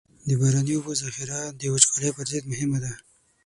د باراني اوبو ذخیره د وچکالۍ پر ضد مهمه ده.